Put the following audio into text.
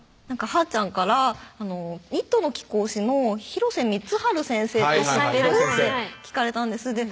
はーちゃんから「ニットの貴公子の広瀬光治先生って知ってる？」って聞かれたんです